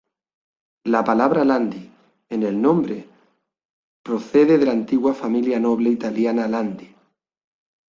La palabra "Landi" en el nombre procede de la antigua familia noble italiana Landi.